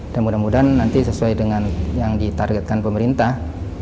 dan mudah mudahan nanti sesuai dengan yang ditargetkan pemerintah